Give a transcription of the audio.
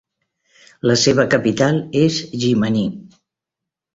La seva capital és Jimaní.